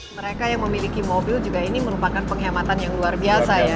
mereka yang memiliki mobil juga ini merupakan penghematan yang luar biasa ya